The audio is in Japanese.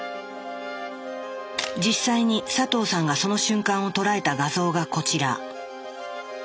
実際に佐藤さんがその瞬間を捉えた画像がこちら。